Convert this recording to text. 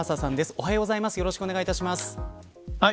おはようございます。